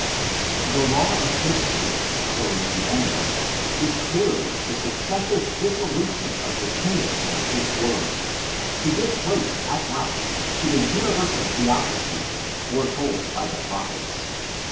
The law of history, according to Daniel, is clearly the successive dissolution of the kingdoms of this world, to give place at last to the universal theocracy foretold by the prophets.